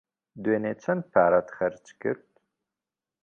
دوێنێ چەند پارەت خەرج کرد؟